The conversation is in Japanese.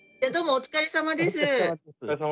「お疲れさまです」。